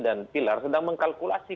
dan pilar sedang mengkalkulasi